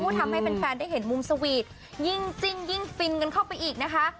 ทำให้แฟนได้เห็นมุมสวีทยิ่งจิ้นยิ่งฟินกันเข้าไปอีกนะคะ